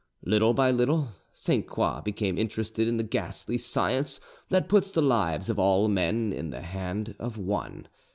Little by little Sainte Croix became interested in the ghastly science that puts the lives of all men in the hand of one.